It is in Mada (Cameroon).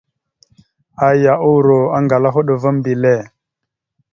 Aya uuro aŋgala a hoɗ va a mbelle.